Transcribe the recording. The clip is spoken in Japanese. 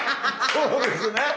そうですね。